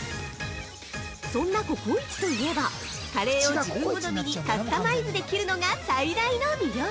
そんなココイチといえばカレーを自分好みにカスタマイズできるのが最大の魅力。